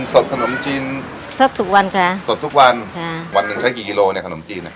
สดขนมจีนสดทุกวันค่ะสดทุกวันค่ะวันหนึ่งใช้กี่กิโลเนี่ยขนมจีนอ่ะ